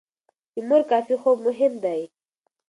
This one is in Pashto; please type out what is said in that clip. د مور کافي خوب مهم دی.